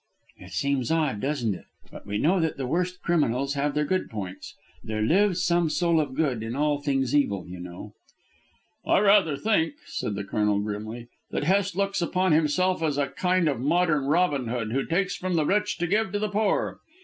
"It seems odd, doesn't it? But we know that the worst criminals have their good points. There lives some soul of good in all things evil, you know." "I rather think," said the Colonel grimly, "that Hest looks upon himself as a kind of modern Robin Hood, who takes from the rich to give to the poor.